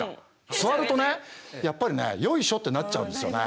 座るとねやっぱりねよいしょってなっちゃうんですよね。